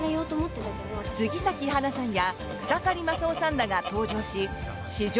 杉咲花さんや草刈正雄さんらが登場し史上